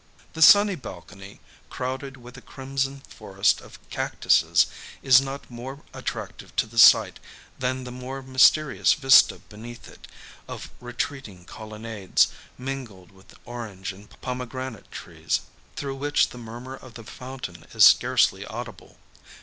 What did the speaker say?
The sunny balcony, crowded with a crimson forest of cactuses, is not more attractive to the sight, than the more mysterious vista beneath it, of retreating colonnades, mingled with orange and pomegranate trees, through which the murmur of the fountain is scarcely audible.